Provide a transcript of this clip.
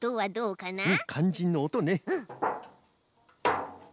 かんじんのおとね。